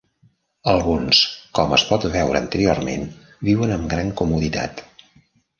Alguns, com es pot veure anteriorment, viuen amb gran comoditat.